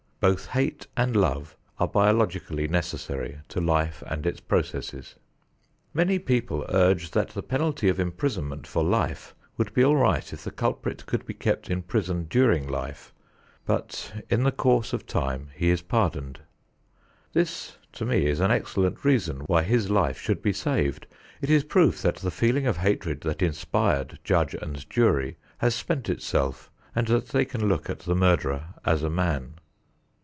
Both hate and love are biologically necessary to life and its processes. Many people urge that the penalty of imprisonment for life would be all right if the culprit could be kept in prison during life, but in the course of time he is pardoned. This to me is an excellent reason why his life should be saved. It is proof that the feeling of hatred that inspired judge and jury has spent itself and that they can look at the murderer as a man.